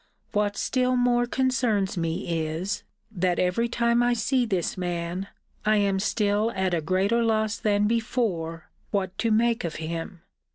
What still more concerns me is, that every time I see this man, I am still at a greater loss than before what to make of him.